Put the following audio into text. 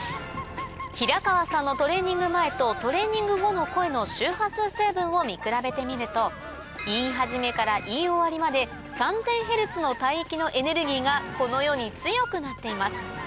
平川さんのトレーニング前とトレーニング後の声の周波数成分を見比べてみると言い始めから言い終わりまで３０００ヘルツの帯域のエネルギーがこのように強くなっています